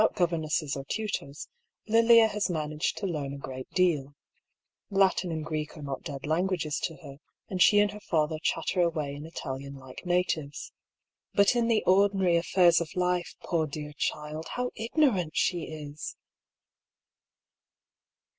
Without goYemesses or tutors, Lilia has managed to learn a great deal. Latin and Greek are not dead lan guages to her, and she and her father chatter away in Italian like natives. But in the ordinary affairs of life, poor dear child, how ignorant she is